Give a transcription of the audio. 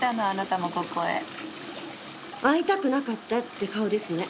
会いたくなかったって顔ですね。